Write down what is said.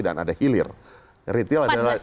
dan ada hilir retail adalah